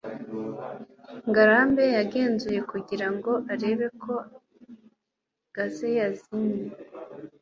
ngarambe yagenzuye kugira ngo arebe ko gaze yazimye